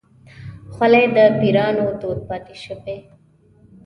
خولۍ د پيرانو دود پاتې شوی.